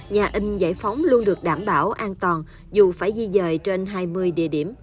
nhà in giải phóng luôn được đảm bảo an toàn dù phải di dời trên hai mươi đời